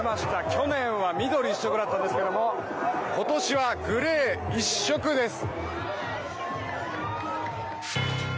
去年は緑一色だったんですけども今年はグレー一色です。